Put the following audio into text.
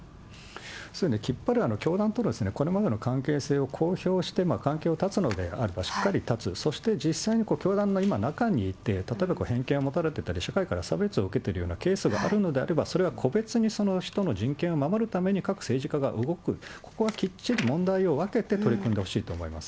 そうですね、きっぱり教団とこれまでの関係性を公表して、関係を断つのであれば、しっかり断つ、そして実際に教団の今、中に行って、例えば、偏見を持たれたり、社会から差別を受けているようなケースがあるのであれば、それは個別にその人の人権を守るために各政治家が動く、ここはきっちり問題を分けて取り組んでほしいと思います。